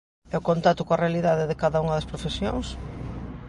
E o contacto coa realidade de cada unha das profesións?